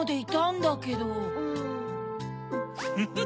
フフフフ。